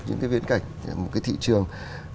những cái viên cảnh một cái thị trường